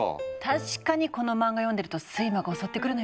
確かにこの漫画読んでると睡魔が襲ってくるのよね。